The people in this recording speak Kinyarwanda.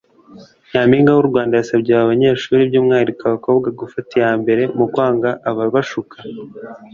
Nyampinga w’u Rwanda yasabye aba banyeshuri by’umwihariko abakobwa gufata iya mbere mu kwanga ababashuka